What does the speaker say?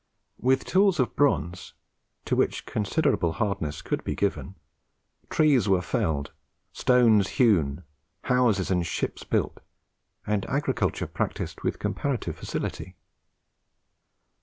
With tools of bronze, to which considerable hardness could be given, trees were felled, stones hewn, houses and ships built, and agriculture practised with comparative facility.